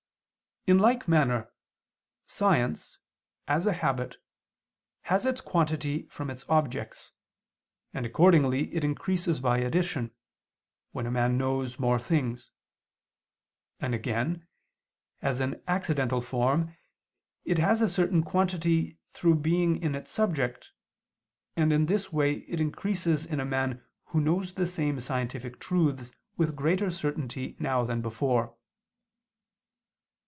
In like manner science, as a habit, has its quantity from its objects, and accordingly it increases by addition, when a man knows more things; and again, as an accidental form, it has a certain quantity through being in its subject, and in this way it increases in a man who knows the same scientific truths with greater certainty now than before.